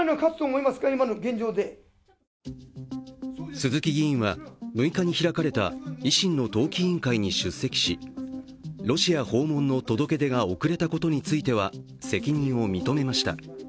鈴木議員は６日に開かれた維新の党紀委員会に出席し、ロシア訪問の届け出が遅れたことについては責任を認めました。